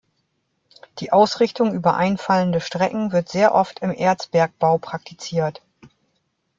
Die Ausrichtung über einfallende Strecken wird sehr oft im Erzbergbau praktiziert.